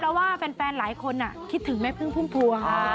เราว่าแฟนหลายคนอะคิดถึงของแม่เพิร์งพุ่งพวง